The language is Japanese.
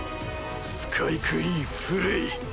スカイクイーンフレイ。